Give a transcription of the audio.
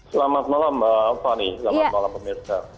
selamat malam mbak fani selamat malam pemirsa